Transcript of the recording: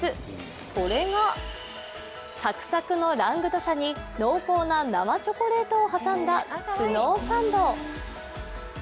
それがサクサクのラングドシャに濃厚な生チョコレートを挟んだスノーサンド。